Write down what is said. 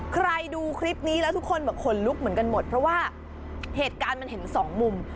ดูคลิปนี้แล้วทุกคนบอกขนลุกเหมือนกันหมดเพราะว่าเหตุการณ์มันเห็นสองมุม